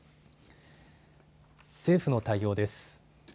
政府の対応です。